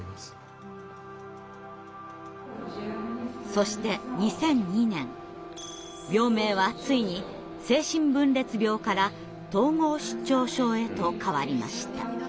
そして２００２年病名はついに精神分裂病から統合失調症へと変わりました。